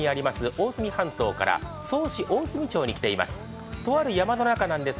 大隅半島から曽於市大隅町に来ています。